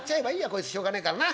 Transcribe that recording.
こいつしょうがねえからな。